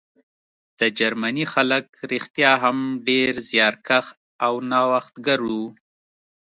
د جرمني خلک رښتیا هم ډېر زیارکښ او نوښتګر وو